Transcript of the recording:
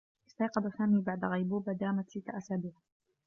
استيقظ سامي بعد غيبوبة دامت ستّ أسابيع.